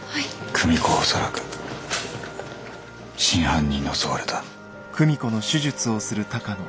久美子は恐らく真犯人に襲われた。